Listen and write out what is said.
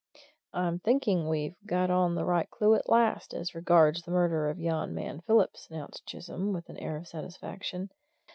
"I'm thinking we've got on the right clue at last, as regards the murder of yon man Phillips," announced Chisholm, with an air of satisfaction.